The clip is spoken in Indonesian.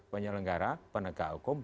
penyelenggara penegak hukum